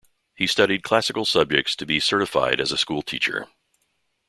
He studied classical subjects to be certified as a schoolteacher.